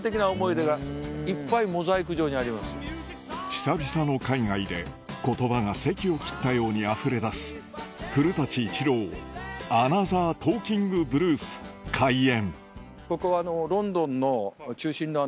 久々の海外で言葉がせきを切ったようにあふれ出す古伊知郎アナザートーキングブルース開演